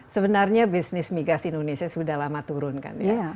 sebenarnya bisnis migas indonesia sudah lama turun kan ya